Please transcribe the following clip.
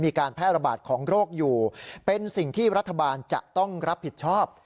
มีการแพร่ระบาดของโรคอยู่เป็นสิ่งที่รัฐบาลจะต้องรับผิดชอบ